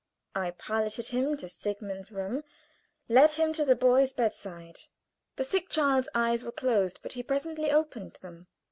I piloted him to Sigmund's room; led him to the boy's bedside. The sick child's eyes were closed, but he presently opened them.